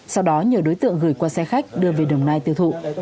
sau đó nhờ đối tượng gửi qua xe khách đưa về đồng nai tiêu thụ